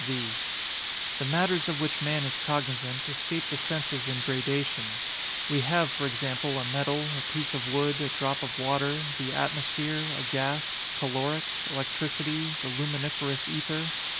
V. The matters of which man is cognizant escape the senses in gradation. We have, for example, a metal, a piece of wood, a drop of water, the atmosphere, a gas, caloric, electricity, the luminiferous ether.